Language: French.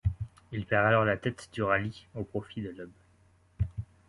Il perd alors la tête du rallye au profit de Loeb.